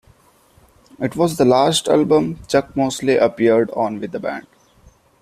It was the last album Chuck Mosley appeared on with the band.